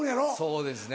そうですね。